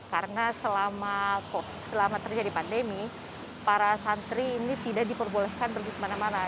karena selama terjadi pandemi para santri ini tidak diperbolehkan pergi kemana mana